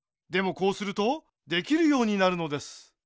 こうするとできるようになるのです。